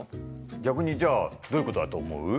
逆にじゃあどういうことだと思う？